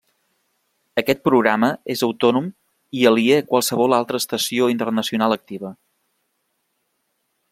Aquest programa és autònom i aliè a qualsevol altra estació internacional activa.